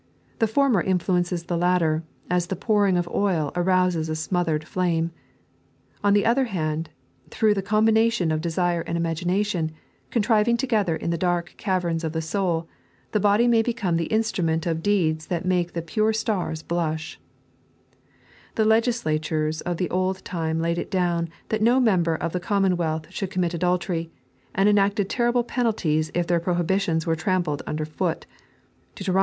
The former infiuences the latter, as the pouring of oil arouses a smothered flame. On the other hand, through the combination of desire and imagination, contriving together in the dark caverns of the soul, the body may become the instrument of deeds that make the pure stars The legislators of the old time laid it down that no member of the commonwealth should commit adultery, and enacted terrible penalties if their prohibition were trampled under foot (Beut.